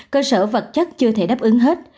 cơ sở vật chất chưa thể đáp ứng hết